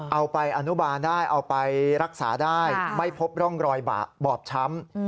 เอาไปอนุบาลได้เอาไปรักษาได้ไม่พบร่องรอยบอบช้ำ